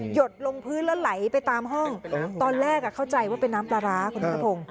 ดลงพื้นแล้วไหลไปตามห้องตอนแรกเข้าใจว่าเป็นน้ำปลาร้าคุณนัทพงศ์